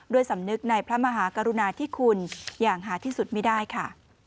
สำนึกในพระมหากรุณาที่คุณอย่างหาที่สุดไม่ได้ค่ะ